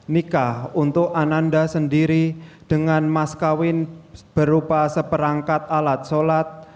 nikah untuk ananda sendiri dengan mas kawin berupa seperangkat alat sholat